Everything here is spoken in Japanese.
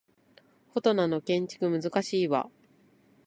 フォトナの建築難しいわ